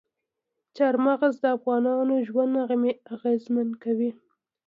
چار مغز د افغانانو ژوند اغېزمن کوي.